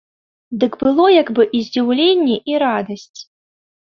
Дык было як бы і здзіўленне і радасць.